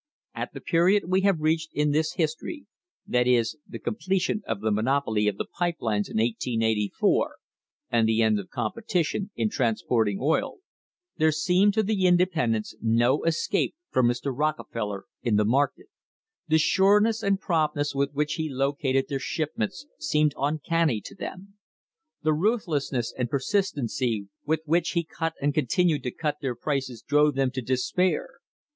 At the period we have reached in this his tory that is, the completion of the monopoly of the pipe lines in 1884 and the end of competition in transporting oil THE HISTORY OF THE STANDARD OIL COMPANY there seemed to the independents no escape from Mr. Rocke feller in the market. The sureness and promptness with which he located their shipments seemed uncanny to them. The ruthlessness and persistency with which he cut and continued to cut their prices drove them to despair.